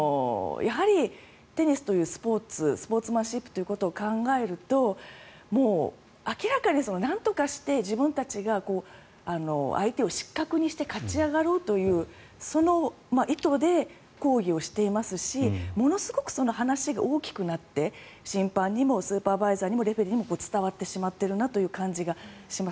テニスというスポーツマンシップということを考えると明らかになんとかして自分たちが相手を失格にして勝ち上がろうというその意図で抗議をしていますしものすごく話が大きくなって審判にもスーパーバイザーにもレフェリーにも伝わってしまってるなという感じがします。